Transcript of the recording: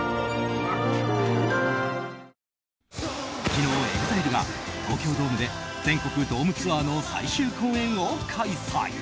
昨日、ＥＸＩＬＥが東京ドームで全国ドームツアーの最終公演を開催。